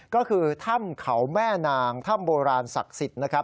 ก็คือถ้ำเขาแม่นางถ้ำโบราณศักดิ์สิทธิ์นะครับ